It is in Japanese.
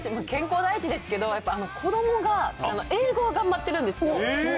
健康第一ですけど、やっぱ子どもが、英語を頑張ってるんですよ。